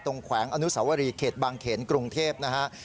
ตรงแขวงอนุสาวรีเขตบางเขนกรุงเทพฯนะครับ